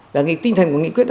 và tinh thần của nghị quyết